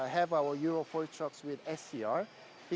kami memilih untuk memiliki truk eur empat dengan scr